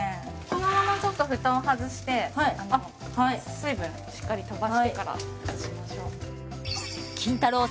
このままちょっと蓋を外してはい水分しっかり飛ばしてから移しましょうキンタロー。